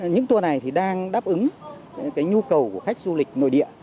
những tour này thì đang đáp ứng cái nhu cầu của khách du lịch nội địa